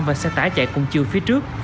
và xe tải chạy cùng chiều phía trước